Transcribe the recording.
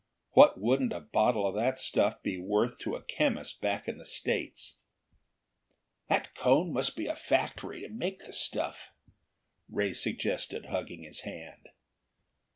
"What wouldn't a bottle of that stuff be worth to a chemist back in the States!" "That cone must be a factory to make the stuff." Ray suggested, hugging his hand.